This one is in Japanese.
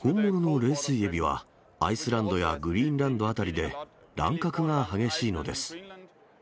本物の冷水エビは、アイスランドやグリーンランド辺りで乱獲が激しいのです。